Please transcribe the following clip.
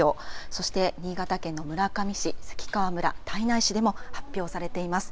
そして、新潟県の村上市関川村、胎内市でも発表されています。